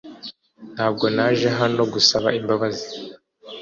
Ntabwo naje hano gusaba imbabazi